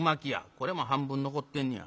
これも半分残ってんねや。